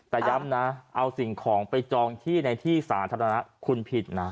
แต่ย้ำนะเอาสิ่งของไปจองที่ในที่สาธารณะคุณผิดนะ